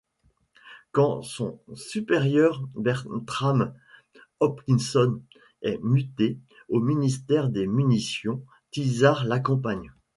Quand son supérieur Bertram Hopkinson est muté au Ministère des Munitions, Tizard l'accompagne.